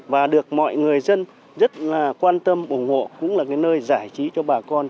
và được mọi người dân rất quan tâm ủng hộ cũng là nơi giải trí cho bà con